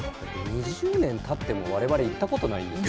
２０年たっても我々行ったことないんですよ。